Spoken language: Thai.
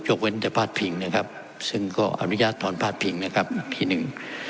เว้นแต่พาดพิงนะครับซึ่งก็อนุญาตตอนพาดพิงนะครับที่หนึ่ง